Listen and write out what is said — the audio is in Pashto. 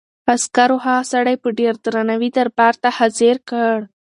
عسکرو هغه سړی په ډېر درناوي دربار ته حاضر کړ.